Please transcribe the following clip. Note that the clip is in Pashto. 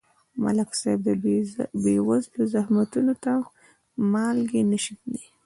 ملک صاحب د بېوزلو زخمونو ته مالګې نه شیندي.